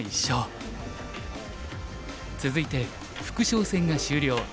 続いて副将戦が終了。